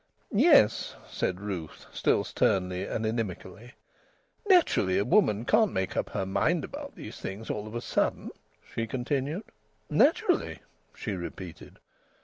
"Yes," said Ruth, still sternly and inimically. "Naturally a woman can't make up her mind about these things all of a sudden," she continued. "Naturally!" she repeated.